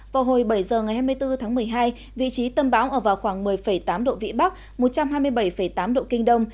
vào hồi bảy giờ ngày hai mươi bốn tháng một mươi hai vị trí tâm bão ở vào khoảng một mươi tám độ vĩ bắc một trăm hai mươi bảy tám độ kinh đông